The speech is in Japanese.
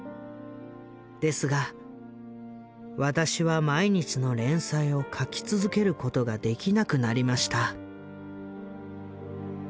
ですが私は毎日の連載を描き続けることができなくなりました」。